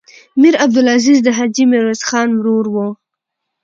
میر عبدالعزیز د حاجي میرویس خان ورور و.